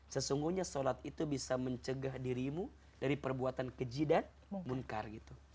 sesungguhnya sholat itu bisa mencegah dirimu dari perbuatan kejidan munkar gitu